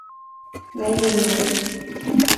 你明未？